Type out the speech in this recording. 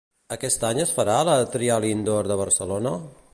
Aquest any es farà la "Trial Indoor" de Barcelona?